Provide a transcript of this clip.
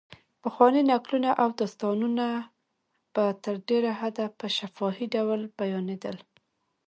پخواني نکلونه او داستانونه په تر ډېره حده په شفاهي ډول بیانېدل.